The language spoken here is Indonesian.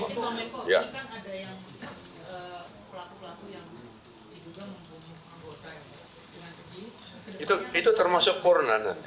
pak menko ini kan ada yang pelaku pelaku yang juga mempunyai anggota yang dengan keji